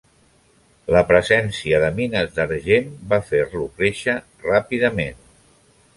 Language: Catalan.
La presència de mines d'argent va fer-lo créixer ràpidament.